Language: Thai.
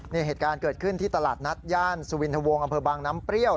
นี่เหตุการณ์เกิดขึ้นที่ตลาดนัดย่านสุวินทวงอำเภอบางน้ำเปรี้ยว